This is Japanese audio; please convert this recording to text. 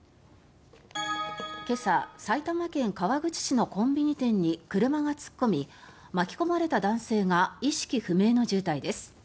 今朝、埼玉県川口市のコンビニ店に車が突っ込み巻き込まれた男性が意識不明の重体です。